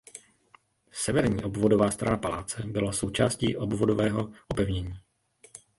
Severní obvodová strana paláce byla součástí obvodového opevnění.